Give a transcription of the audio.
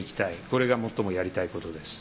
これが最もやりたいことです。